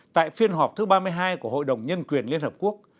tại phiên họp thứ ba mươi hai của hội đồng nhân quyền liên hợp quốc